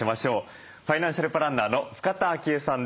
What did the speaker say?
ファイナンシャルプランナーの深田晶恵さんです。